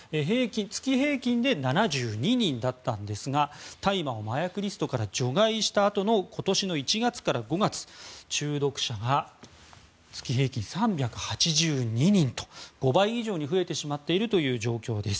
月平均で７２人だったんですが大麻を麻薬リストから除外したあとの今年の１月から５月中毒者が月平均３８２人と５倍以上に増えてしまっているという状況です。